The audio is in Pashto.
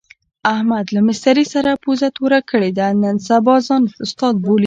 احمد له مستري سره پوزه توره کړې ده، نن سبا ځان استاد بولي.